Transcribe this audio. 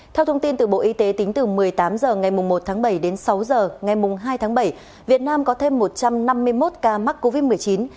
theo thông tin từ bộ y tế tính từ một mươi tám h ngày một sáu h ngày hai bảy việt nam có thêm một trăm năm mươi một ca mắc covid một mươi chín